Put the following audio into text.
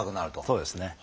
そうですね。